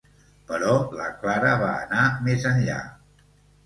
Però la Clara va anar més enllà.